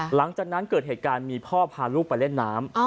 หลังจากนั้นเกิดเหตุการณ์มีพ่อพาลูกไปเล่นน้ำ